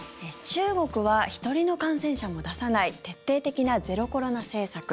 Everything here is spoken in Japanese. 中国は１人の感染者も出さない徹底的なゼロコロナ政策。